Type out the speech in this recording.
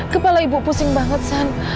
kepala ibu pusing banget sana